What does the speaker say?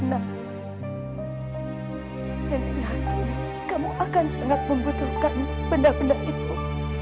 nenek yakin kamu akan sangat membutuhkan benda benda itu